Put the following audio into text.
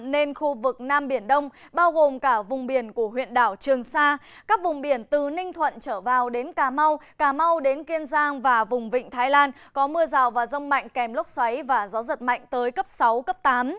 nên khu vực nam biển đông bao gồm cả vùng biển của huyện đảo trường sa các vùng biển từ ninh thuận trở vào đến cà mau cà mau đến kiên giang và vùng vịnh thái lan có mưa rào và rông mạnh kèm lốc xoáy và gió giật mạnh tới cấp sáu cấp tám